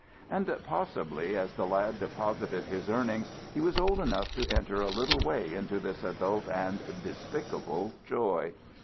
And possibly, as the lad deposited his earnings, he was old enough to enter a little way into this adult and despicable joy.